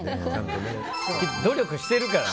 努力してるから。